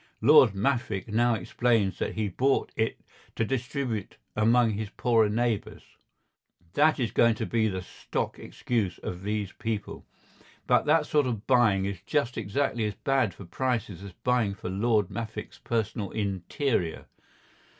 Lord Maffick now explains that he bought it to distribute among his poorer neighbours—that is going to be the stock excuse of these people—but that sort of buying is just exactly as bad for prices as buying for Lord Maffick's personal interior.